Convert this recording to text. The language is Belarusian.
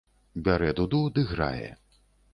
Бярэ дуду ды грае.